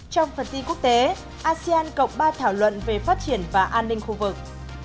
trong phần tin quốc tế asean cộng ba thảo luận về phát triển và an ninh khu vực